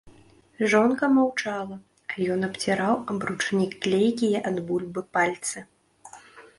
Жонка маўчала, а ён абціраў аб ручнік клейкія ад бульбы пальцы.